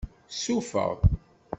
Sufeɣ.